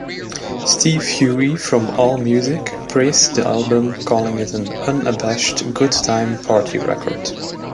Steve Huey from Allmusic praised the album, calling it "an unabashed good-time party record".